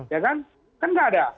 ya kan kan nggak ada